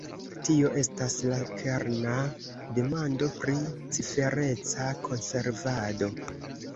Tio estas la kerna demando pri cifereca konservado.